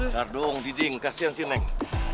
sardung diding kasihan sih neng